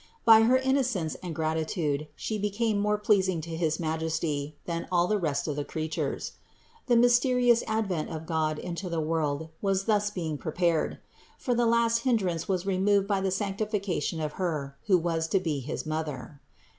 By her innocence and gratitude She became more pleasing to his Majesty than all the rest of the creatures. The mysterious advent of God into the world was thus being prepared: for the last hindrance was removed by the sanctification of Her, who was to be his Mother.